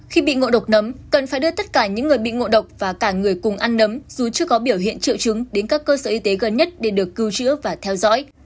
khi bị ngộ độc nấm cần phải đưa tất cả những người bị ngộ độc và cả người cùng ăn nấm dù chưa có biểu hiện triệu chứng đến các cơ sở y tế gần nhất để được cứu chữa và theo dõi